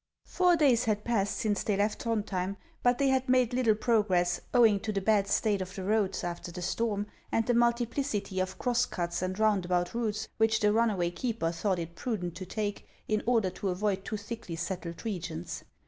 Four days had passed since they left Throndhjein, but they had made little progress, owing to the bad state of the roads after the storm, and the multiplicity of cross cuts and roundabout routes which the runaway keeper thought it prudent to take in order to avoid too thickly settled regions.